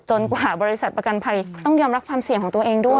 กว่าบริษัทประกันภัยต้องยอมรับความเสี่ยงของตัวเองด้วย